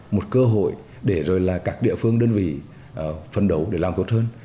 một cơ hội để các địa phương đơn vị phân đấu để làm tốt hơn